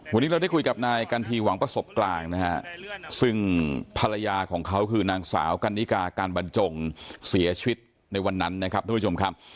วันนี้เราได้คุยกับนายกันทีหวังประสบกลางนะฮะซึ่งภรรยาของเขาคือนางสาวกันนิกาการบรรจงเสียชีวิตในวันนั้นนะครับทุกผู้ชมครับ